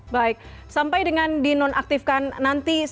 baik sampai dengan di nonaktifkan nanti